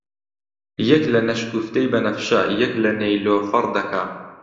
یەک لە نەشگوفتەی بەنەفشە، یەک لە نەیلۆفەڕ دەکا